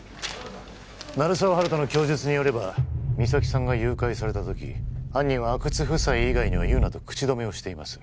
鳴沢温人の供述によれば実咲さんが誘拐された時犯人は阿久津夫妻以外には言うなと口止めをしています